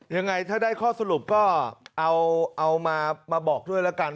ยังไงถ้าได้ข้อสรุปก็เอามาบอกด้วยละกัน